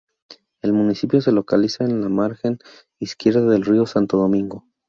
El Municipio se localiza en la margen izquierda del río Santo Domingo.